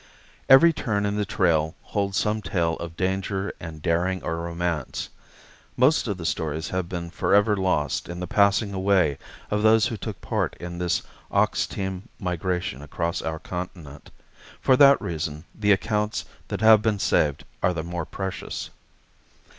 Every turn in the Trail holds some tale of danger and daring or romance. Most of the stories have been forever lost in the passing away of those who took part in this ox team migration across our continent. For that reason the accounts that have been saved are the more precious.